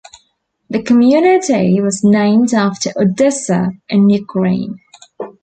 The community was named after Odessa, in Ukraine.